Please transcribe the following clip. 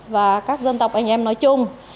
và các dân tộc anh em nói chung